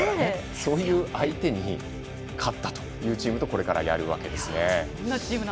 そういう相手に勝ったというチームとこれからやるわけですね。